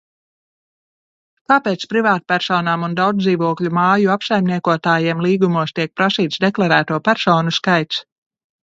Kāpēc privātpersonām un daudzdzīvokļu māju apsaimniekotājiem līgumos tiek prasīts deklarēto personu skaits?